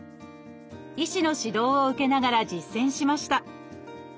医師の指導を受けながら実践しました。